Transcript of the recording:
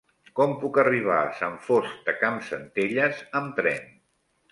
Com puc arribar a Sant Fost de Campsentelles amb tren?